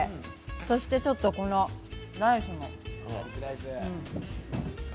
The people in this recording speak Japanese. そしてちょっと、このライスも。